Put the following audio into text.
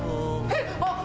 えっ！